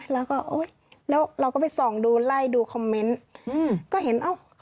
แล้วเราก็ไปส่องดูไล่ดูคอมเมนต์